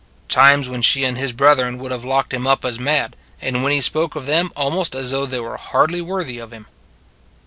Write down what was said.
Times when she and His brethren would have locked Him up as mad, and when He spoke of them almost as though they were hardly worthy of Him.